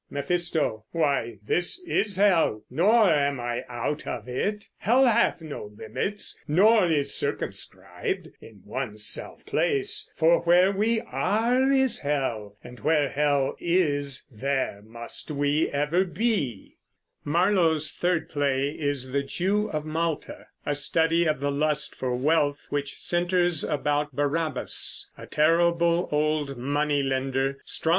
Mephisto. Why this is hell, nor am I out of it. Hell hath no limits, nor is circumscribed In one self place; for where we are is hell, And where hell is there must we ever be. Marlowe's third play is The Jew of Malta, a study of the lust for wealth, which centers about Barabas, a terrible old money lender, strongly suggestive of Shylock in The Merchant of Venice.